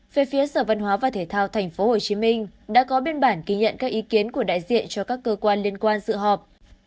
về phía sở văn hóa và thể thao tp hcm đã có biên bản ghi nhận các ý kiến của đại diện cho các cơ quan liên quan dự họp